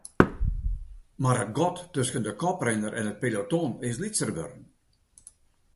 Mar it gat tusken de koprinner en it peloton is lytser wurden.